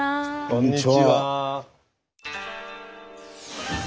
こんにちは。